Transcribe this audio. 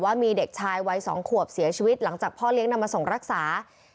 ว่ามีเด็กชายวัย๒ขวบเสียชีวิตหลังจากพ่อเลี้ยงนำมาส่งรักษา